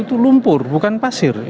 itu lumpur bukan pasir